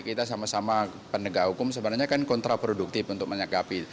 kita sama sama penegak hukum sebenarnya kan kontraproduktif untuk menyakapi